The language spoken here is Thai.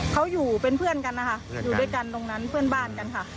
เขาอยู่เป็นเพื่อนกันนะคะอยู่ด้วยกันตรงนั้นเพื่อนบ้านกันค่ะ